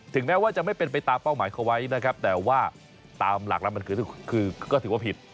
แม้ว่าจะไม่เป็นไปตามเป้าหมายเขาไว้นะครับแต่ว่าตามหลักแล้วมันคือก็ถือว่าผิด